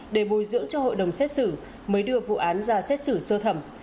để bồi dưỡng cho hội đồng xét xử mới đưa vụ án ra xét xử sơ thẩm